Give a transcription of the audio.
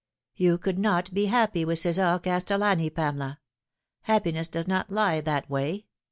"You could not be happy with Cesar Castellani, Pamela. Happiness does not lie that way.